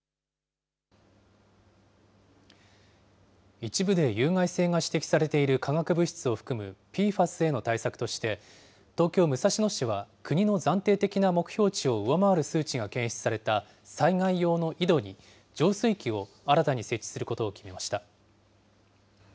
一部で有害性が指摘されている化学物質を含むＰＦＡＳへの対策として、東京・武蔵野市は国の暫定的な目標値を上回る数値が検出された災害用の井戸に、浄水器を新たに設置することを決めました。